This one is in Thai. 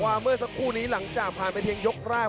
ว่าเมื่อสักครู่นี้หลังจากที่เขาพังไปทินยกร่าง